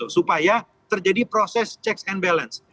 supaya terjadi proses checks and balance